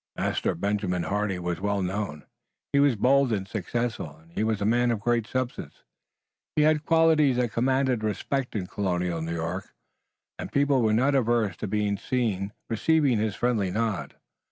Master Benjamin Hardy was well known. He was bold and successful and he was a man of great substance. He had qualities that commanded respect in colonial New York, and people were not averse to being seen receiving his friendly nod.